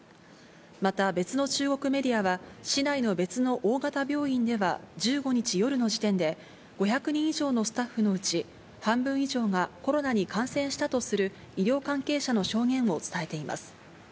また別の中国メディアは、市内の別の大型病院では１５日夜の時点で、５００人以上のスタッフのうち、半分以上がコロナに感染したとする医療関係者の証言を伝えています。